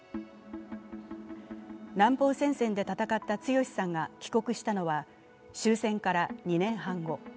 南方戦線で戦った強さんが帰国したのは終戦から２年半後。